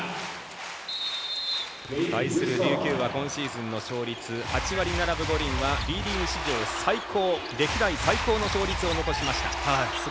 対する琉球は今シーズンの勝率８割７分５厘はＢリーグ歴代最高勝率を残しました。